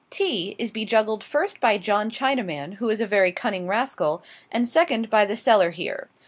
Tea is bejuggled first by John Chinaman, who is a very cunning rascal; and second, by the seller here.